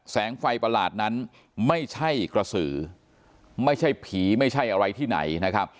แสงไฟประหลาดนั้นไม่ใช่กระสือไม่ใช่ผีไม่ใช่อะไรที่ไหนนะครับ